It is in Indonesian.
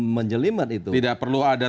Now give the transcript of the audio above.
menjelimat itu tidak perlu ada